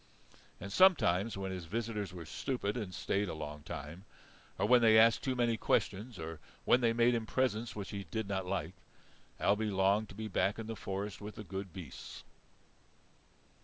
And sometimes when his visitors were stupid and stayed a long time, or when they asked too many questions, or when they made him presents which he did not like, Ailbe longed to be back in the forest with the good beasts.